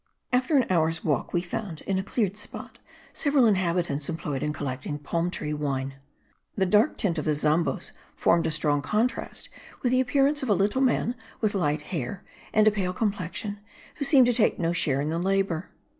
After an hour's walk we found, in a cleared spot, several inhabitants employed in collecting palm tree wine. The dark tint of the zambos formed a strong contrast with the appearance of a little man with light hair and a pale complexion who seemed to take no share in the labour.